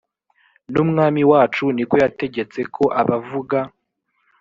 n umwami wacu ni ko yategetse ko abavuga